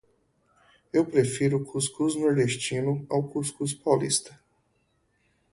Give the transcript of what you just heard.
Eu prefiro o cuscuz nordestino ao cuscuz paulista.